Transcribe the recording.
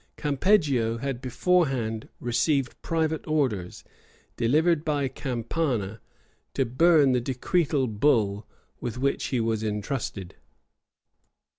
Campeggio had beforehand received private orders, delivered by Campana, to burn the decretal bull with which he was intrusted.